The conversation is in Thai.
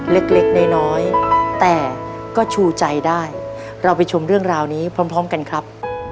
เล็กเล็กน้อยน้อยแต่ก็ชูใจได้เราไปชมเรื่องราวนี้พร้อมกันครับ